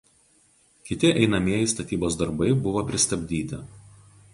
Kiti einamieji statybos darbai buvo pristabdyti.